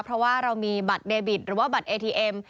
เพราะว่าเรามีบัตรเดบิตหรือว่าบัตรเอทีเอ็ม